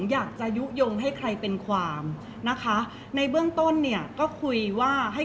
เพราะว่าสิ่งเหล่านี้มันเป็นสิ่งที่ไม่มีพยาน